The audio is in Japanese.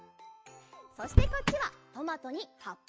そしてこっちは「トマト」に「はっぱっぱのハーッ！」